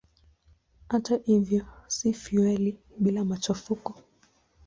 Hata hivyo si fueli bila machafuko.